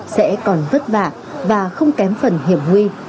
sẽ còn vất vả và không kém phần hiểm nguy